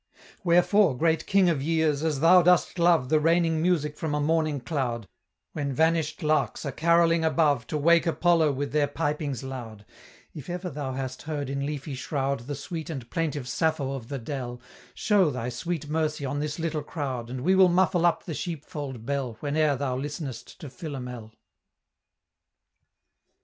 "Wherefore, great King of Years, as thou dost love The raining music from a morning cloud, When vanish'd larks are carolling above, To wake Apollo with their pipings loud; If ever thou hast heard in leafy shroud The sweet and plaintive Sappho of the dell, Show thy sweet mercy on this little crowd, And we will muffle up the sheepfold bell Whene'er thou listenest to Philomel."